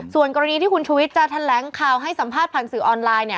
ส่วนกรณีที่คุณชุวิตจะแถลงข่าวให้สัมภาษณ์ผ่านสื่อออนไลน์